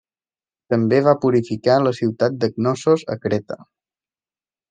També va purificar la ciutat de Cnossos a Creta.